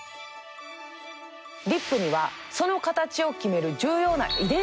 リップにはその形を決める重要な遺伝子があるの。